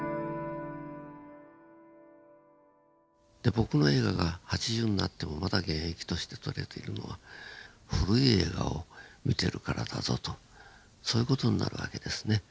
僕の映画が８０になってもまだ現役として撮れているのは古い映画を見てるからだぞとそういう事になるわけですね。